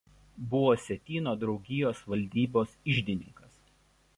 Buvo Sietyno draugijos valdybos iždininkas.